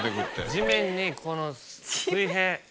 地面にこの水平。